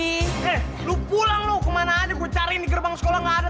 hei lu pulang lu kemana aja gua cari di gerbang sekolah enggak ada